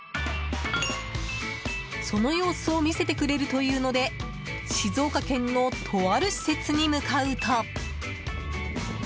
その様子を見せてくれるというので静岡県のとある施設に向かうと。